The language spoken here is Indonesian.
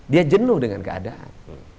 dia jenuh dengan keadaan